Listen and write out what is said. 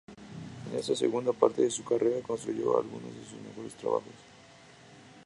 En esta segunda parte de su carrera construyó algunos de sus mejores trabajos.